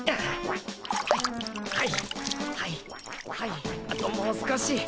はいはいはいあともう少し。